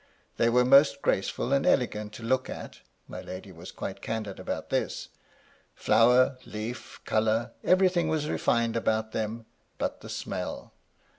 They were most graceful and elegant to look at (my lady was quite candid about this), flower, leaf, colour — every thing was refined about them but the smell.